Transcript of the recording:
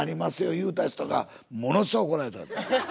言うた人がものすごい怒られた。